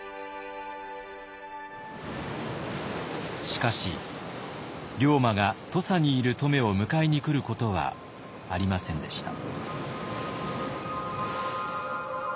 しかし龍馬が土佐にいる乙女を迎えに来ることはありませんでした。